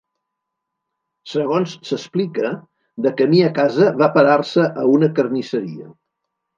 Segons s'explica, de camí a casa va parar-se a una carnisseria.